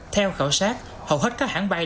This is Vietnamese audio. theo khảo sát hầu hết các hãng bay